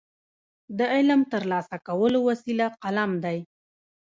د علم ترلاسه کولو وسیله قلم دی.